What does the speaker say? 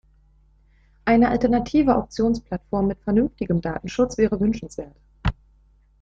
Eine alternative Auktionsplattform mit vernünftigem Datenschutz wäre wünschenswert.